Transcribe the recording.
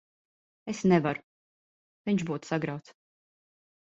Es nevaru. Viņš būtu sagrauts.